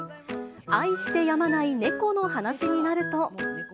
愛してやまない猫の話になると。